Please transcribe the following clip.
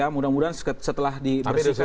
mudah mudahan setelah dibersihkan